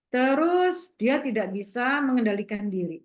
terus dia tidak bisa mengendalikan diri